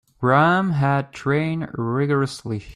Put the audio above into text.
Graham had trained rigourously.